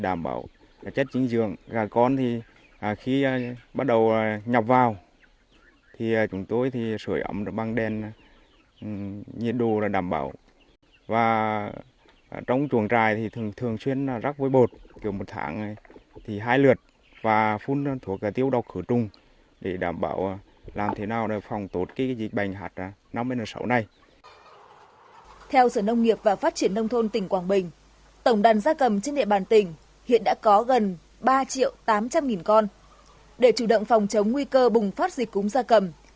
để chủ động phòng chống nguy cơ bùng phát dịch cúng gia cầm